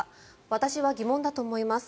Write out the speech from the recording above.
私は疑問だと思います。